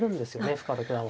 深浦九段は。